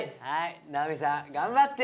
なみさん頑張って！